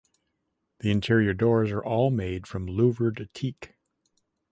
The interior doors are all made from louvered teak.